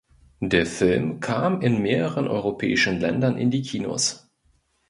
Der Film kam in mehreren europäischen Ländern in die Kinos.